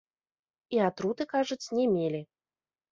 І атруты, кажуць, не мелі.